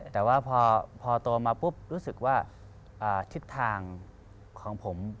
แต่ว่าพอโตมาแล้วรู้สึกว่าทิศทางจะครบของผม